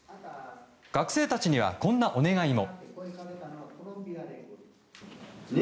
学生たちには、こんなお願いも。